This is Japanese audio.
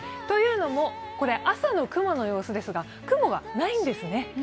というのも、朝の雲の様子ですが雲がないんですね。